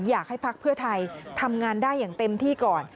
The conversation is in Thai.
พักเพื่อไทยทำงานได้อย่างเต็มที่ก่อน